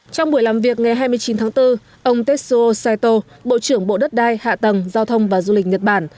trong buổi làm việc ngày hai mươi chín tháng bốn ông tetsuo saito bộ trưởng bộ đất đai hạ tầng giao thông và du lịch nhật bản